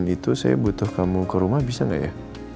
itu saya butuh kamu ke rumah bisa nggak ya